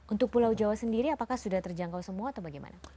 untuk pulau jawa sendiri apakah sudah terjangkau semua atau bagaimana